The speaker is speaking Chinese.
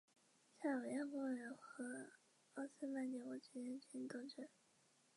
有纪录的最大雌性钻纹龟体长恰好超过。